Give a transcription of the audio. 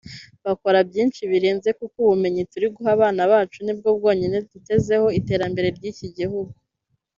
bakora byinshi birenze kuko ubumenyi turi guha abana bacu nibwo bwonyine dutezeho iterambere ry’iki gihugu